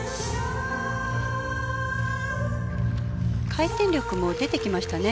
回転力も出てきましたね。